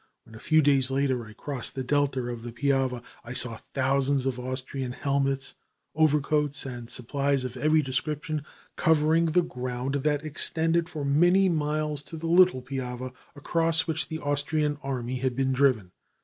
When, a few days later, I crossed the delta of the Piave, I saw thousands of Austrian helmets, overcoats, and supplies of every description covering the ground that extended for many miles to the Little Piave, across which the Austrian army had been driven.